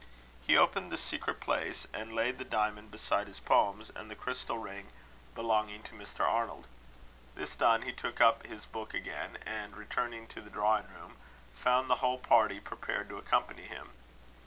He opened the secret place, and laid the diamond beside his poems and the crystal ring belonging to Mr. Arnold. This done, he took up his book again, and, returning to the drawing room, found the whole party prepared to accompany him.